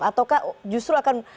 ataukah justru akan